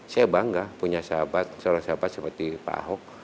saya bangga punya sahabat seorang sahabat seperti pak ahok